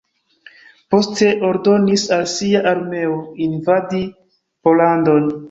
Poste ordonis al sia armeo invadi Pollandon.